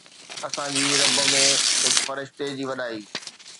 اسان جي رب ۾ هڪ فرشتي جي وڏائي